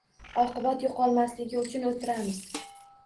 Oqibat yo'qolmasligi uchun o'tiramiz